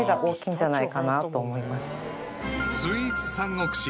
［スイーツ三国志。